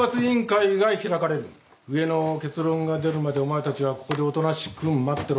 上の結論が出るまでお前たちはここでおとなしく待ってろ。